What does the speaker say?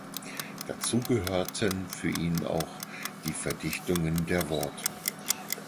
Dazu gehörten für ihn auch die „Verdichtungen“ der Worte.